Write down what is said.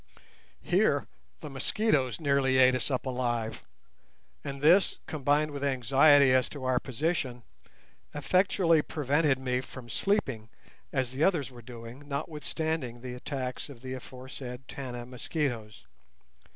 Here the mosquitoes nearly ate us up alive, and this, combined with anxiety as to our position, effectually prevented me from sleeping as the others were doing, notwithstanding the attacks of the aforesaid Tana mosquitoes.